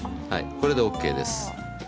これでＯＫです。